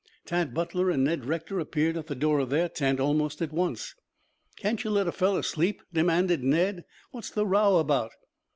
Tad Butler and Ned Rector appeared at the door of their tent almost at once. "Can't you let a fellow sleep?" demanded Ned. "What's the row about?